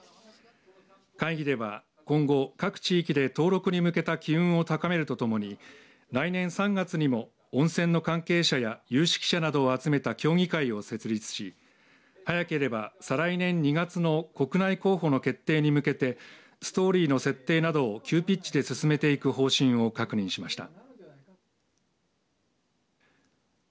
会議では、今後各地域で登録に向けた機運を高めるとともに来年３月にも温泉の関係者や有識者などを集めた協議会を設立し早ければ再来年２月の国内候補の決定に向けてストーリーの設定などを急ピッチで進めていく方針を確認しました。